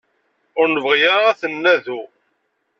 Ur nebɣi ara ad ten-nadu.